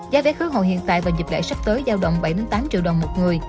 giá vé khứa hồ hiện tại và dịp lễ sắp tới giao động bảy tám triệu đồng một người